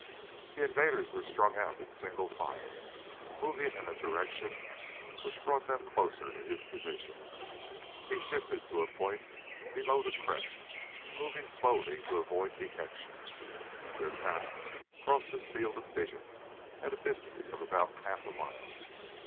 The invaders were strung out in single file, moving in a direction which brought them closer to his position. He shifted to a point below the crest, moving slowly to avoid detection. Their path crossed his field of vision at a distance of about half a mile.